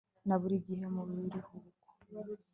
na buri gihe mu biruhuko